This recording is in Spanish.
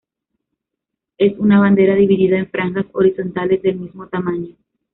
Es una bandera dividida en franjas horizontales del mismo tamaño.